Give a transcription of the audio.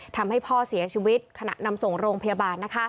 ทำให้พ่อเสียชีวิตขณะนำส่งโรงพยาบาล